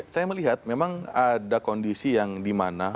saya melihat memang ada kondisi yang dimana